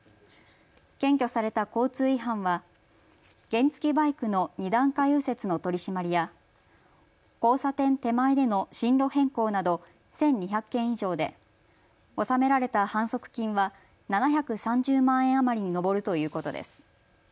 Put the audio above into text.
検挙された交通違反は原付バイクの２段階右折の取締りや交差点手前での進路変更など１２００件以上で納められた反則金は７３０万円余りに上るということです。